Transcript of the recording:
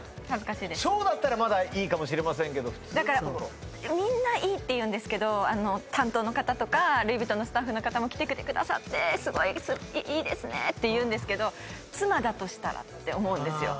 ショーだったらまだいいかもしれませんけど普通だからみんないいって言うんですけど担当の方とかルイ・ヴィトンのスタッフの方も「着てきてくださってすごいいいですね」って言うんですけど「妻だとしたら」って思うんですよ